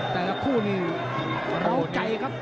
แต่ละคู่นี้ร้องไกลครับ